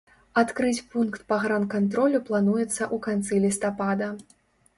Адкрыць пункт пагранкантролю плануецца ў канцы лістапада.